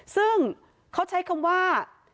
ซึ่งเขาใช้คำว่า